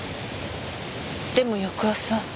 でも翌朝。